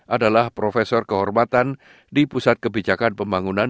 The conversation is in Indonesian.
adalah profesor kehormatan di pusat kebijakan pembangunan